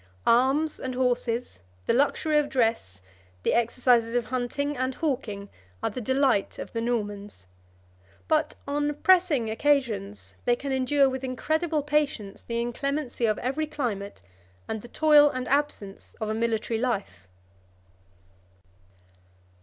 Arms and horses, the luxury of dress, the exercises of hunting and hawking 27 are the delight of the Normans; but, on pressing occasions, they can endure with incredible patience the inclemency of every climate, and the toil and absence of a military life."